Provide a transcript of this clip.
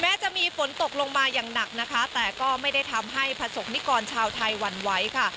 จะมีฝนตกลงมาอย่างหนักนะคะแต่ก็ไม่ได้ทำให้ประสบนิกรชาวไทยหวั่นไหวค่ะ